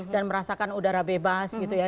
merasakan udara bebas gitu ya